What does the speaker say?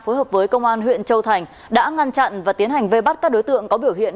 phối hợp với công an huyện châu thành đã ngăn chặn và tiến hành vây bắt các đối tượng có biểu hiện